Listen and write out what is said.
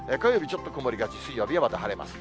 ちょっと曇りがち、水曜日はまた晴れます。